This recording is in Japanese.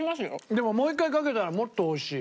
でももう１回かけたらもっとおいしい。